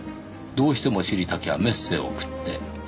「どうしても知りたきゃメッセ送って」